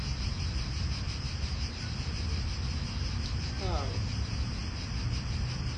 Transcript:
Steɛṛef.